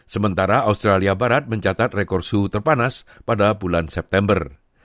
sementara australia barat mencatat rekor suhu terpanas pada bulan september